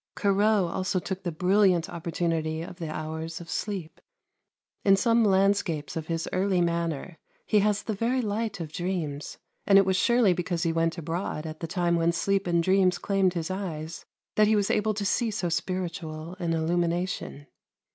Corot also took the brilliant opportunity of the hours of sleep. In some landscapes of his early manner he has the very light of dreams, and it was surely because he went abroad at the time when sleep and dreams claimed his eyes that he was able to see so spiritual an illumination.